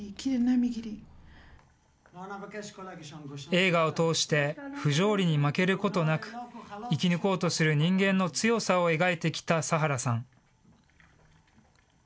映画を通して、不条理に負けることなく、生き抜こうとする人間の強さを描いてきたサハラさん。